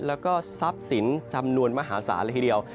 และก็ซับสินจำนวนมหาศาลเลยทีเดียว